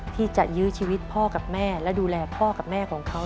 ที่จะยื้อชีวิตพ่อกับแม่และดูแลพ่อกับแม่ของเขา